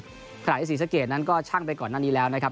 ขนาดที่ศรีสะเกตนั้นก็ชั่งไปก่อนนั้นอีกแล้วนะครับ